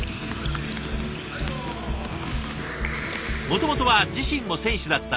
もともとは自身も選手だったラマスさん。